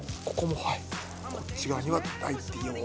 ここもはい。